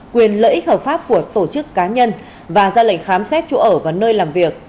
quyền lợi ích hợp pháp của tổ chức cá nhân và ra lệnh khám xét chỗ ở và nơi làm việc